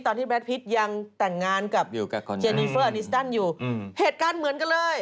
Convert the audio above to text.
ตอนที่แบลดพีศยังแต่งงานกับเจนิเฟอร์เฮดการณ์เหมือนกันเลย